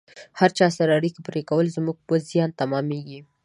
هر چا سره اړیکې پرې کول زموږ پر زیان تمامیږي